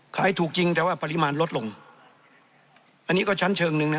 ขายถูกจริงแต่ว่าปริมาณลดลงอันนี้ก็ชั้นเชิงหนึ่งนะ